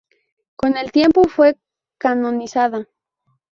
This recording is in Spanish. Con el tiempo fue canonizada.